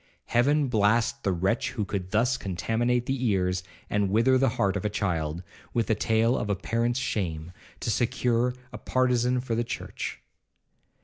Heaven blast the wretch who could thus contaminate the ears, and wither the heart of a child, with the tale of a parent's shame, to secure a partizan for the church!